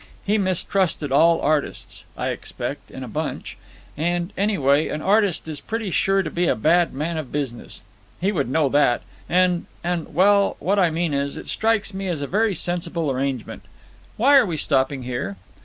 He mistrusted all artists, I expect, in a bunch. And, anyway, an artist is pretty sure to be a bad man of business. He would know that. And—and, well, what I mean is, it strikes me as a very sensible arrangement. Why are we stopping here?"